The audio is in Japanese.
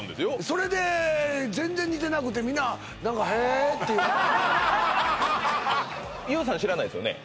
それで全然似てなくてみんな何かＹＯＵさん知らないですよね？